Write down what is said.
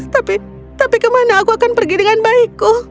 tapi tapi kemana aku akan pergi dengan baikku